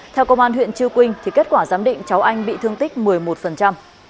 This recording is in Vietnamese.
theo công an huyện chư quynh kết quả giám định cháu anh bị thương tích một mươi một